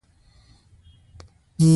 اکروپولیس د ښار تر ټولو لوړې برخې ته وایي.